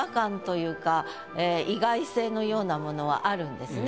のようなものはあるんですね。